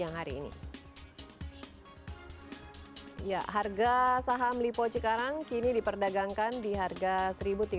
dan sekarang kita pantau saham dari sejumlah emiten dari grup lipo hingga perdagangan pada siang hari ini